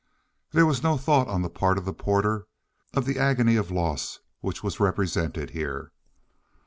There was no thought on the part of the porter of the agony of loss which was represented here.